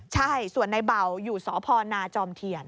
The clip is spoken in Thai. ใช่ส่วนในเบาอยู่สพนาจอมเทียน